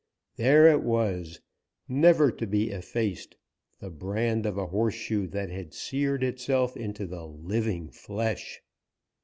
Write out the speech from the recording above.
There it was, never to be effaced, the brand of a horseshoe that had seared itself into the living flesh.